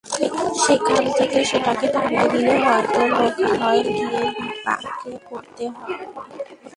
সেখান থেকে সেটাকে তাড়িয়ে দিলে হয়তো লোকালয়ে গিয়ে বিপাকে পড়তে হতো।